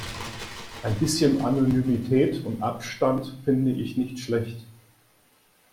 Ein bisschen Anonymität und Abstand finde ich nicht schlecht.